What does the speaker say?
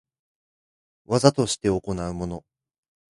業として行うもの